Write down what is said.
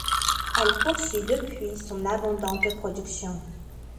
Elle poursuit depuis son abondante production.